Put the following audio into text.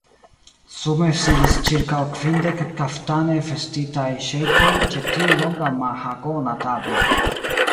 Sume sidis ĉirkaŭ kvindek kaftane vestitaj ŝejkoj ĉe tiu longa mahagona tablo.